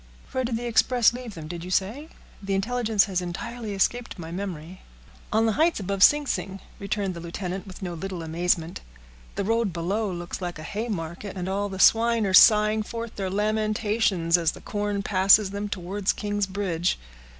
"Where did the express leave them, did you say? The intelligence has entirely escaped my memory." "On the heights above Sing Sing," returned the lieutenant, with no little amazement. "The road below looks like a hay market, and all the swine are sighing forth their lamentations, as the corn passes them towards King's Bridge.